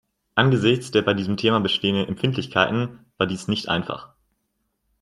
Angesichts der bei diesem Thema bestehenden Empfindlichkeiten war dies nicht einfach.